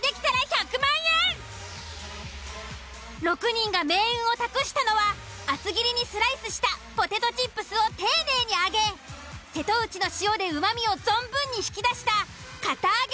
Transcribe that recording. ６人が命運を託したのは厚切りにスライスしたポテトチップスを丁寧に揚げ瀬戸内の塩でうまみを存分に引き出した堅あげ